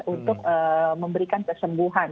untuk memberikan kesembuhan